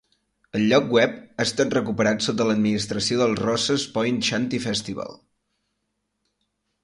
El lloc web ha estat recuperat sota l'administració del Rosses Point Shanty Festival.